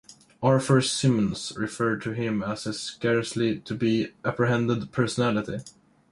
Arthur Symons referred to him as a scarcely to be apprehended personality.